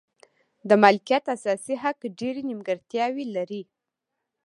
د مالکیت اساسي حق ډېرې نیمګړتیاوې لري.